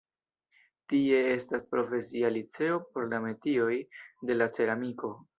Tie estas profesia liceo por la metioj de la ceramiko.